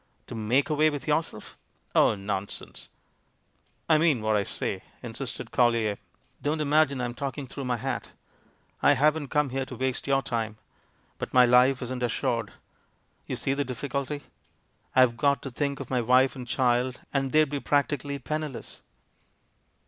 To make away with yourself? Oh, non art sense I mean what I say," insisted Collier; "don't imagine I'm talking through my hat — I haven't come here to waste your time. But my life isn't assured. You see the difficulty. I've got to think of my wife and child, and they'd be prac tically penniless."